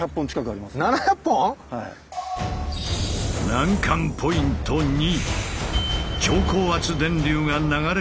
難関ポイント２。